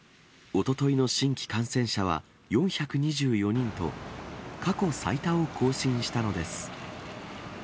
おとといの新規感染者は４２４人と、過去最多を更新したのです。